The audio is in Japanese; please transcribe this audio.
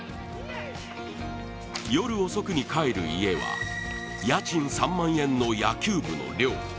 夜遅くに帰る家は、家賃３万円の野球部の寮。